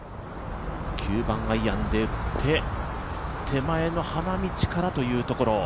９番アイアンで打って手前の花道からというところ。